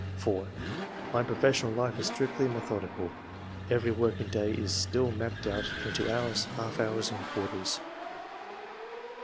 4. — "My professional life is strictly metho dical ; every working day is still mapped out into hours, half hours, and quarters."